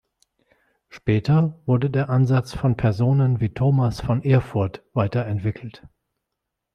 Später wurde der Ansatz von Personen wie Thomas von Erfurt weiterentwickelt.